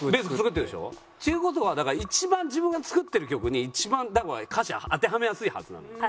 っていう事はだから一番自分が作ってる曲に一番だから歌詞当てはめやすいはずなのよ。